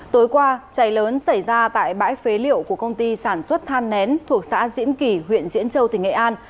tối qua cháy lớn xảy ra tại bãi phế liệu của công ty sản xuất than nén thuộc xã diễn kỳ huyện diễn châu tỉnh nghệ an